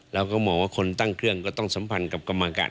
แล้วหมอกว่าคนที่ตั้งเครื่องก็ต้องสัมพันธ์กับกรรมากัน